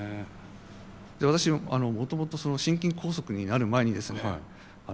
私もともと心筋梗塞になる前にですね